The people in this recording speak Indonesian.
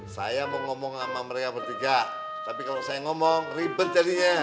saya mau ngomong sama mereka bertiga tapi kalau saya ngomong ribet jadinya